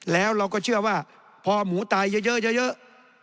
แล้วเราก็เชื่อว่าพอหมูตายเยอะ